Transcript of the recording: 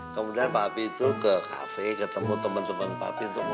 kemudian papi itu ke cafe ketemu temen temen papi untuk ngobrol